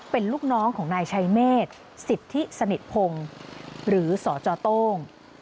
เป็นลูกน้องของนายชัยเมษสิทธิสนิทพงศ์หรือสจโต้ง